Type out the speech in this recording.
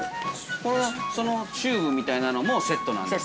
◆そのシューみたいなのもセットなんですか？